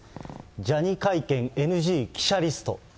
ジャニ会見ＮＧ記者リスト。